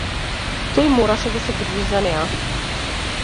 Тој мораше да се грижи за неа.